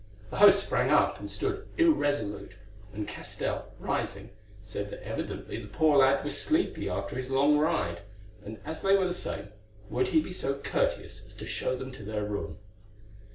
The host sprang up and stood irresolute, and Castell, rising, said that evidently the poor lad was sleepy after his long ride, and as they were the same, would he be so courteous as to show them to their room?